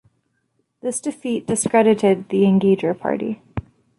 This defeat discredited the Engager party.